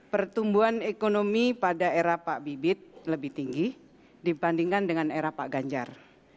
pertumbuhan ekonomi pada era pak bibit lebih tinggi dibandingkan dengan era pak ganjar